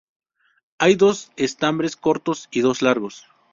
Hay dos estambres cortos y dos largos.